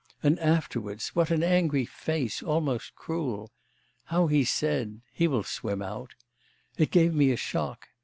And afterwards what an angry face, almost cruel! How he said, "He will swim out!" It gave me a shock.